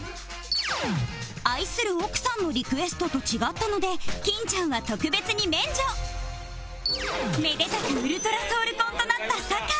愛する奥さんのリクエストと違ったので金ちゃんはめでたくウルトラソウル婚となった坂井